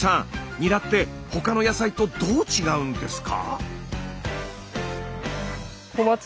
ニラって他の野菜とどう違うんですか？